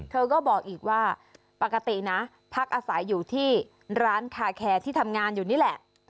เธอก็บอกอีกว่าปกตินะพักอาศัยอยู่ที่ร้านคาแคร์ที่ทำงานอยู่นี่แหละ